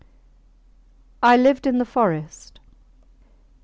I lived in the forest.